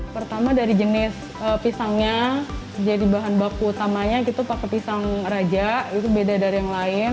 pertama dari jenis pisangnya jadi bahan baku utamanya itu pakai pisang raja itu beda dari yang lain